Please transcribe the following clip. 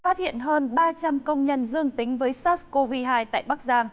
phát hiện hơn ba trăm linh công nhân dương tính với sars cov hai tại bắc giang